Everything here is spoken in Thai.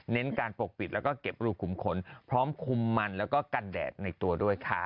การปกปิดแล้วก็เก็บรูขุมขนพร้อมคุมมันแล้วก็กันแดดในตัวด้วยค่ะ